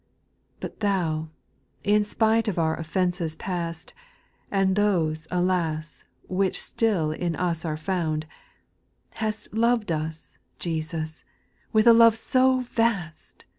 4. But Thou (in spite of our oifenccs past. And those alas ! which still in us are found) Hast loved us, Jesus, with a love so vast.